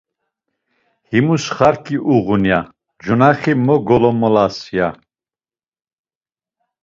Himus xark̆i uğuni ya, cunaxi mo golomalas ya.